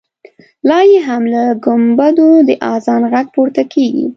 لا یې هم له ګمبدو د اذان غږ پورته کېږي.